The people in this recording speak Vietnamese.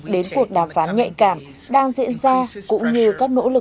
đến cuộc đàm phán nhạy cảm đang diễn ra cũng như các nỗ lực ngoại giao